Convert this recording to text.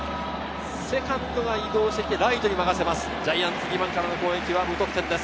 セカンドは移動してきて、ライトに任せます。